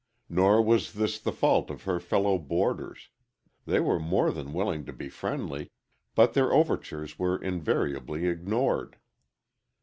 Nor was this the fault of her fellow boarders. They were more than willing to be friendly, but their overtures were invariably ignored.